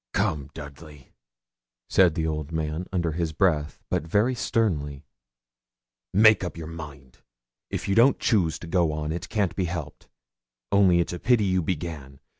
'Come, Dudley!' said the old man under his breath, but very sternly, 'make up your mind. If you don't choose to go on, it can't be helped; only it's a pity you began.